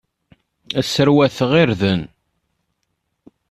La sserwateɣ irden.